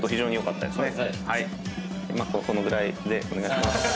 このぐらいでお願いします。